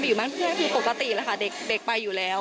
อยู่บ้านเพื่อนคือปกติแหละค่ะเด็กไปอยู่แล้ว